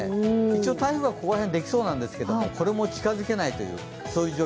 一応、台風がここら辺、できそうなんですが、それも近づけないという。